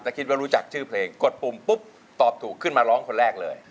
ถ้าคิดว่ารู้จักชื่อเพลงกดปุ่มปุ๊บตอบถูกขึ้นมาร้องคนแรกเลย